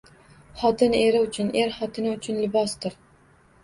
Xotin eri uchun, er xotini uchun libosdir.